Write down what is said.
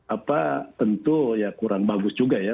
apa tentu ya kurang bagus juga ya